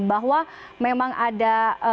bahwa memang ada